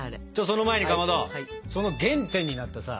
その前にかまどその原点になったさ